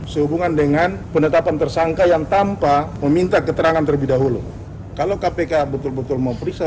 sehubungan dengan penetapan tersangka yang tanpa meminta keterangan terlebih dahulu kalau kpk betul betul mau periksa